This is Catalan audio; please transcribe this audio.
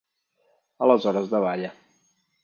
Aleshores davalla.